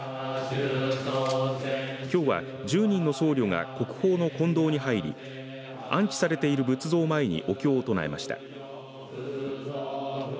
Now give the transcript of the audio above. きょうは１０人の僧侶が国宝の金堂に入り安置されている仏像を前にお経を唱えました。